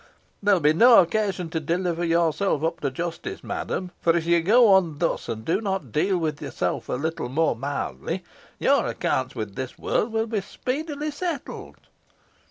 There will be no occasion to deliver yourself up to justice, madam; for, if you go on thus, and do not deal with yourself a little more mildly, your accounts with this world will be speedily settled."